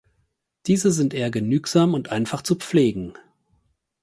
Diese sind eher genügsam und einfach zu pflegen.